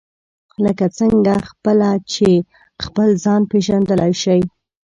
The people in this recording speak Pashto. لکه څنګه خپله چې خپل ځان پېژندلای شئ.